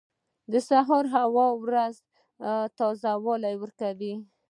• د سهار هوا روح ته تازه والی ورکوي.